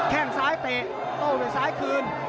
แค่งสายเตะโต้ไปสายคืน